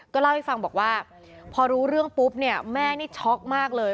เล่าให้ฟังบอกว่าพอรู้เรื่องปุ๊บเนี่ยแม่นี่ช็อกมากเลย